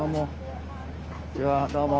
どうも。